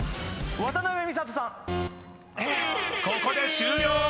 ［ここで終了！